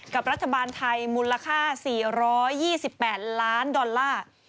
รัฐบาลไทยมูลค่า๔๒๘ล้านดอลลาร์